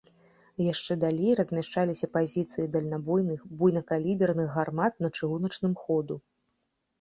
Яшчэ далей размяшчаліся пазіцыі дальнабойных буйнакаліберных гармат на чыгуначным ходу.